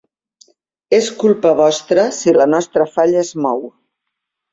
És culpa vostra si la nostra falla es mou.